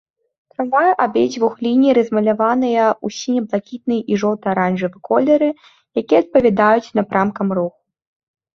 Трамваі абедзвюх ліній размаляваныя ў сіне-блакітны і жоўта-аранжавы колеры, якія адпавядаюць напрамкам руху.